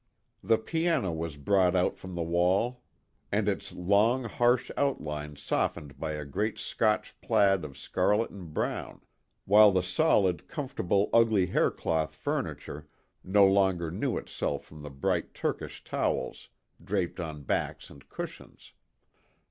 The piano was brought out from the wall and its long harsh outlines softened by a great Scotch plaid of scarlet and brown, while the solid, comfortable ugly hair cloth furniture no longer knew itself from the bright Turkish towels draped on backs and cushions.